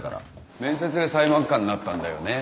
面接で裁判官になったんだよね。